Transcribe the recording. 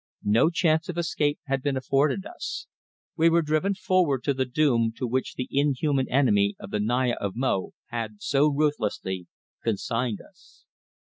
No chance of escape had been afforded us. We were driven forward to the doom to which the inhuman enemy of the Naya of Mo had so ruthlessly consigned us.